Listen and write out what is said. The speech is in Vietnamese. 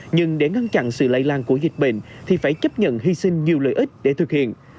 nhưng để ngăn chặn sự lây lan của dịch bệnh thì phải chấp nhận hy sinh nhiều lợi ích để thực hiện